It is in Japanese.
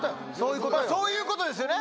そういうことですよね。